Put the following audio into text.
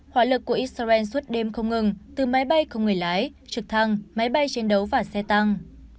hỏa lực của israel suốt đêm không ngừng từ máy bay không người lái trực thăng máy bay chiến đấu và xe tăng